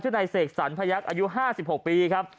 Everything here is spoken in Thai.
ชื่อในเสกสรรพยักษณ์อายุ๕๖ปีครับ